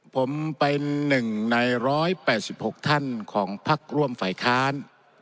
ผมเป็นหนึ่งในร้อยแปดสิบหกท่านของภักดิ์ร่วมฝ่ายค้าน